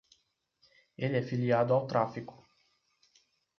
Ele é filiado ao tráfico.